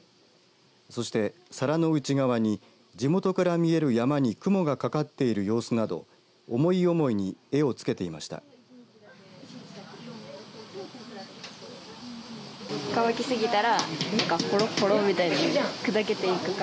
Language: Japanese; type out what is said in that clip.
そして皿の内側に地元から見える山に雲がかかっている様子など思い思いに絵を付けていました。